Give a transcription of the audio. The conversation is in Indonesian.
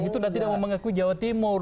itu sudah tidak mau mengakui jawa timur